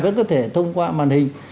vẫn có thể thông qua màn hình